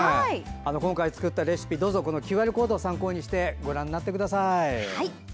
今回作ったレシピはＱＲコードを参考にしてご覧になってください。